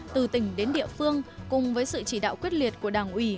từ tỉnh đến địa phương cùng với sự chỉ đạo quyết liệt của đảng ủy